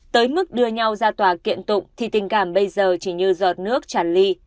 tới mức đưa nhau ra tòa kiện tụng thì tình cảm bây giờ chỉ như giọt nước chản ly